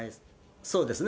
そうですね。